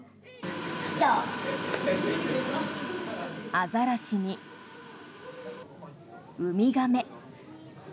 アザラシに、ウミガメ。